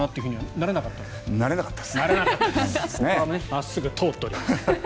真っすぐ通っております。